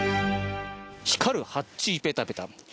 光るハッチーペタペタ。